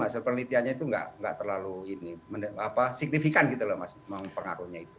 hasil penelitiannya itu enggak terlalu signifikan gitu mas pengakunya itu